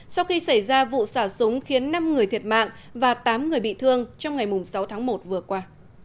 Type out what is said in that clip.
sau khi xảy ra vụ xả súng khiến năm người thiệt mạng và tám người bị thương trong ngày sáu tháng một vừa qua